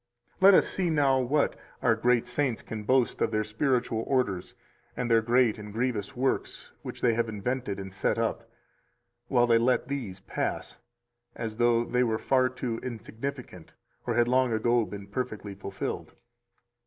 312 Let us see now what our great saints can boast of their spiritual orders and their great and grievous works which they have invented and set up, while they let these pass, as though they were far too insignificant, or had long ago been perfectly fulfilled.